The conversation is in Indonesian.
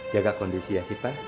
jaga kondisi ya siva